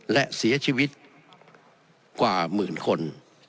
และเสียชีวิตกว่าหมื่นคน